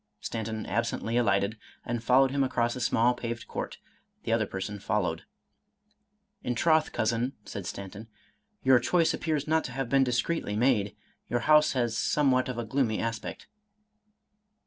Stanton absently alighted, and followed him across a small paved court; the other person followed. " In troth, Cousin," said Stanton, " your choice appears not to have been discreetly made; your house has somewhat of a gloomy aspect."